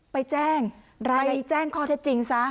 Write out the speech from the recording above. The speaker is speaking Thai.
ไปแจ้งไปแจ้งข้อเท็จจริงซะ